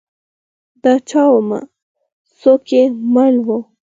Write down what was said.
د چا ومه؟ څوک کې مل وه ؟